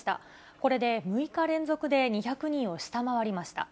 これで６日連続で２００人を下回りました。